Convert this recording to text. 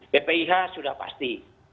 ppih sudah pasti